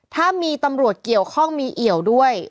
ถ้ามีตำรวจเกี่ยวข้องมีเอี่ยวด้วย